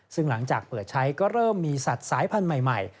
ซึ่งหลังจากเปิดใช้ก็เริ่มมีสัตว์สายพันธุ์ใหม่